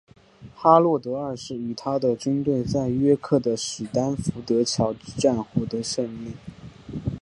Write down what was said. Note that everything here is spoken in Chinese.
哈洛德二世与他的军队在约克的史丹福德桥之战获得胜利。